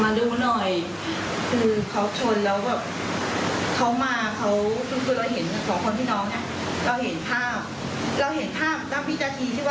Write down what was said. มาดูหน่อย